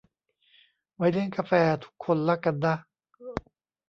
ไว้เลี้ยงกาแฟทุกคนละกันนะ